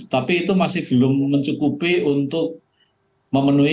tapi itu masih belum mencukupi untuk memenuhi